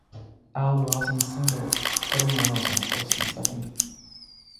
Al Rosen singled, putting runners on first and second.